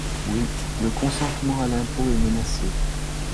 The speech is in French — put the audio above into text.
Oui, le consentement à l’impôt est menacé.